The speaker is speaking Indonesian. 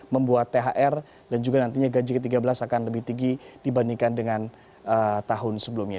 membuat thr dan juga nantinya gaji ke tiga belas akan lebih tinggi dibandingkan dengan tahun sebelumnya